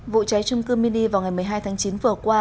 vụ cháy trung cư mini vào ngày một mươi hai tháng chín vừa qua